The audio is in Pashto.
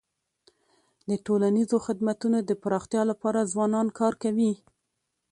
د ټولنیزو خدمتونو د پراختیا لپاره ځوانان کار کوي.